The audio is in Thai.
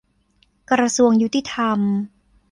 กระทรวงยุติธรรม